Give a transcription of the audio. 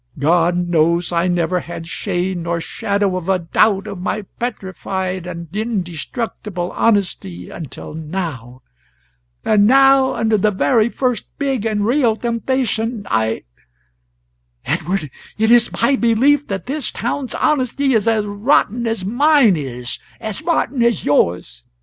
God knows I never had shade nor shadow of a doubt of my petrified and indestructible honesty until now and now, under the very first big and real temptation, I Edward, it is my belief that this town's honesty is as rotten as mine is; as rotten as yours.